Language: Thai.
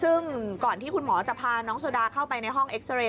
ซึ่งก่อนที่คุณหมอจะพาน้องโซดาเข้าไปในห้องเอ็กซาเรย